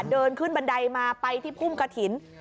เดินขึ้นบันไดมาไปที่พุ่มกระถิ่น